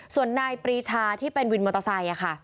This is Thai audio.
ส่วนนายปรีชาที่เป็นวินมอเตอร์ไซค์